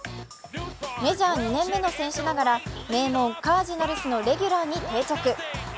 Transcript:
メジャー２年目の選手ながら名門・カージナルスのレギュラーに定着。